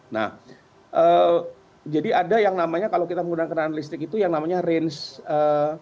nah jadi ada yang namanya kalau kita menggunakan kendaraan listrik itu yang namanya range